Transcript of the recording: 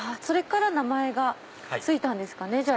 それから名前が付いたんですかね